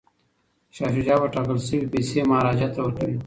شاه شجاع به ټاکل شوې پیسې مهاراجا ته ورکوي.